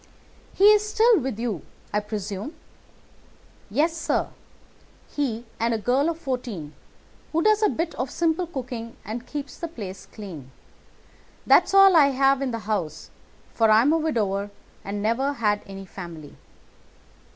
"He is still with you, I presume?" "Yes, sir. He and a girl of fourteen, who does a bit of simple cooking and keeps the place clean—that's all I have in the house, for I am a widower and never had any family.